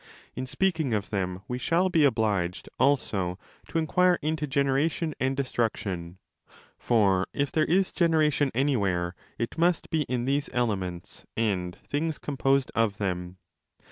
In speaking of them we shall be obliged also to inquire into το generation and destruction. For if there is generation anywhere, it must be in these elements and things com posed of them.